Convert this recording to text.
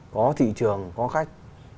có thị trường có khách